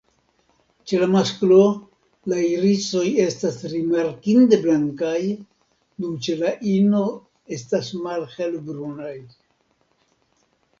Ĉe la masklo, la irisoj estas rimarkinde blankaj, dum ĉe la ino estas malhelbrunaj.